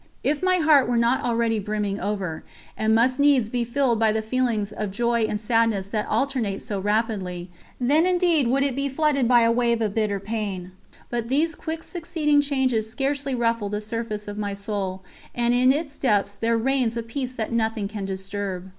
If my heart were not already brimming over, and must needs be filled by the feelings of joy and sadness that alternate so rapidly, then indeed would it be flooded by a wave of bitter pain; but these quick succeeding changes scarcely ruffle the surface of my soul, and in its depths there reigns a peace that nothing can disturb."